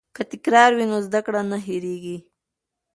که تکرار وي نو زده کړه نه هیریږي.